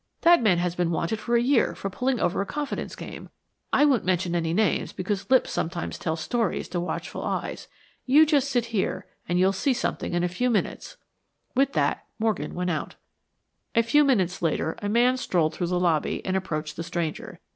That man has been wanted for a year for putting over a confidence game. I won't mention any names because lips sometimes tell stories to watchful eyes. You just sit here and you'll see something in a few minutes." With that, Morgan went out. A few minutes later a man strolled through the lobby and approached the stranger.